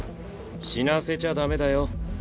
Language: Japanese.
死なせちゃダメだよ。